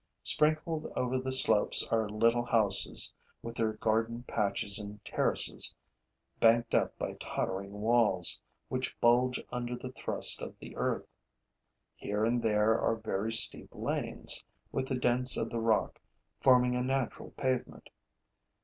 Sprinkled over the slopes are little houses with their garden patches in terraces banked up by tottering walls, which bulge under the thrust of the earth. Here and there are very steep lanes, with the dents of the rock forming a natural pavement.